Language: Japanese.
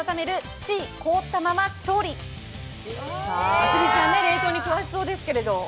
まつりちゃん、冷凍に詳しそうですけど。